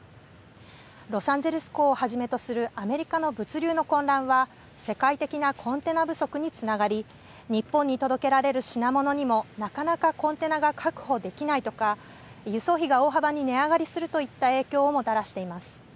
ロサンゼルス港をはじめとするアメリカの物流の混乱は、世界的なコンテナ不足につながり、日本に届けられる品物にも、なかなかコンテナが確保できないとか、輸送費が大幅に値上がりするといった影響をもたらしています。